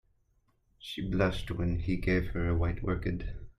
She blushed when he gave her a white orchid.